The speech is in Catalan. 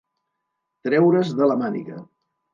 Treure's de la màniga.